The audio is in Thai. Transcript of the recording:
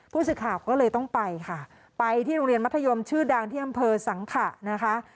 ผู้สื่อข่าวก็เลยต้องไปค่ะไปที่โรงเรียนมัธยมชื่อดังที่อำเภอสังขะนะคะ